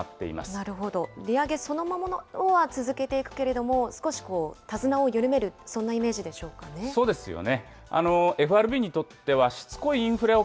なるほど、利上げ幅自体は、続けていくけれども、少し手綱を緩めるそんなイそうでしょうね。